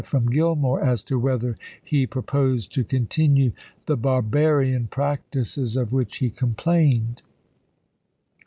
from Gillmore as to whether he proposed to con xxvitl, ' tinue the " barbarian " practices of which he com pp. 11 13. plained.